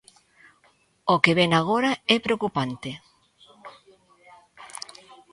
O que vén agora é preocupante.